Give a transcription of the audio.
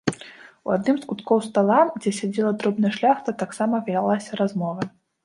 У адным з куткоў стала, дзе сядзела дробная шляхта, таксама вялася размова.